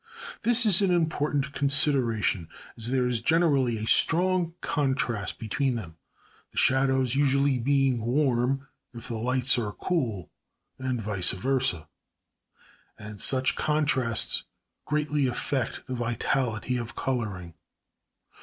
This is an important consideration, as there is generally a strong contrast between them, the shadows usually being warm if the lights are cool and vice versa; and such contrasts greatly affect the vitality of colouring.